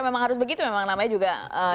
memang harus begitu memang namanya juga